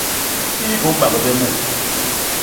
Kii i u mbagde mu?